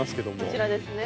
こちらですね。